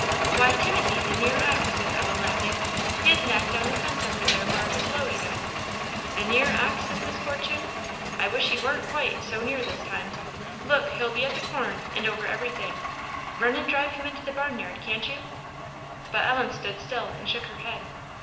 "Why, Timothy, the near ox," said Ellen, laughing; "he has knocked down the fence over there where it was low, you know." "The near ox?" said Miss Fortune "I wish he warn't quite, so near this time. Look! he'll be at the corn, and over every thing. Run and drive him into the barnyard, can't you?" But Ellen stood still, and shook her head.